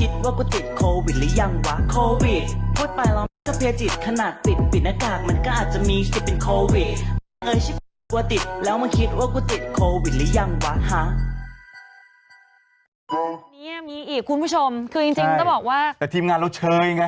เดี๋ยวคุณผู้ชมคือจริงต้องบอกว่าแต่ทีมงานเราเชิญไง